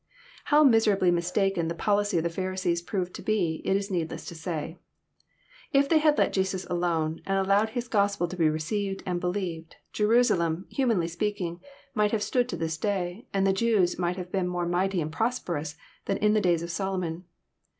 How miserably mistaken the policy of the Pharisees proved to be, it is needless to say. If they had let Jesus alone, and allowed His Gospel to be received and believed, Jerusalem, humanly speaking, might have stood to this day, and the Jews might have been more mighty and prosperous than in the days of Solomon.